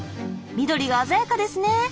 緑が鮮やかですね。